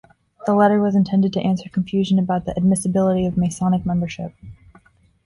The letter was intended to answer confusion about the admissibility of Masonic membership.